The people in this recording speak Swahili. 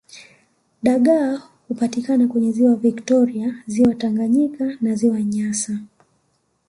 Dagaa hupatikana kwenye ziwa victoria ziwa Tanganyika na ziwa nyasa